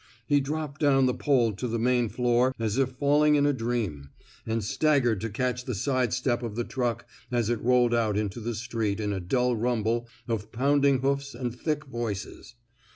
He dropped down the pole to the main floor as if falling in a dream, and staggered to catch the side step of the truck as it rolled out into the street in a dull rumble of pounding hoofs and thick voices.